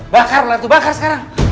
bakarlah itu bakar sekarang